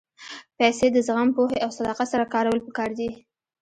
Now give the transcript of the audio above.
پېسې د زغم، پوهې او صداقت سره کارول پکار دي.